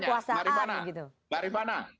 nah sekarang saya tanya mbak rifana